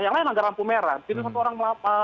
yang lain melanggar lampu merah begitu satu orang